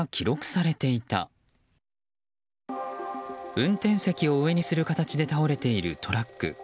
運転席を上にする形で倒れているトラック。